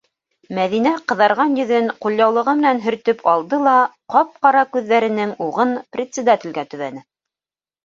- Мәҙинә ҡыҙарған йөҙөн ҡулъяулығы менән һөртөп алды ла ҡап- ҡара күҙҙәренең уғын председателгә төбәне.